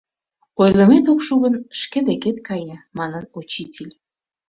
— Ойлымет ок шу гын, шке декет кае, — манын учитель.